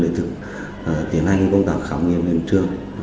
để tiến hành công tác khám nghiệm hiện trường